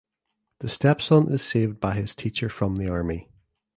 The stepson is saved by his teacher from the army.